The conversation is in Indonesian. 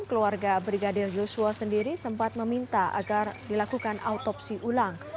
keluarga brigadir yosua sendiri sempat meminta agar dilakukan autopsi ulang